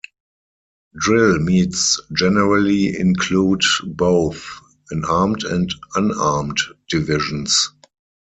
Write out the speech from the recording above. Drill meets generally include both an armed and unarmed divisions.